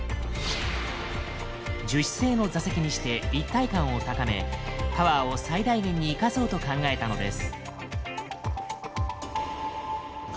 樹脂製の座席にして一体感を高めパワーを最大限に生かそうと考えたのです。